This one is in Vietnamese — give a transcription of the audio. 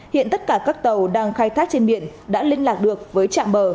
hiện tất cả các tàu đang khai thác trên biển đã liên lạc được với trạm bờ